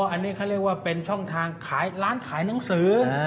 อันนี้เขาเรียกว่าเป็นช่องทางขายร้านขายหนังสือ